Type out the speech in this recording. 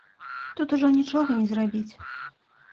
Тут ужо нічога не зрабіць.